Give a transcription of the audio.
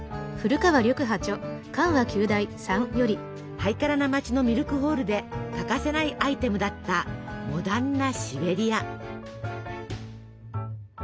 ハイカラな街のミルクホールで欠かせないアイテムだったモダンなシベリア。